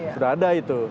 sudah ada itu